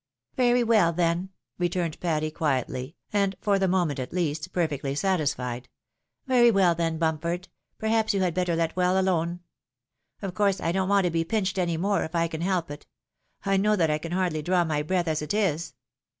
"Very weU, then,'' returned Patty quietly, and for the moment, at least, perfectly satisfied —" very weU, then. Bump ford ; perhaps you had better let well alone. Of course I don't want to be pinched any more, if I can help it — I know that I fcan hardly draw my breath as it is."